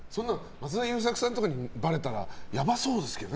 松田優作さんとかにばれたらやばそうですけどね。